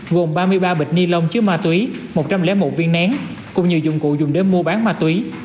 gồm ba mươi ba bịch ni lông chứa ma túy một trăm linh một viên nén cùng nhiều dụng cụ dùng để mua bán ma túy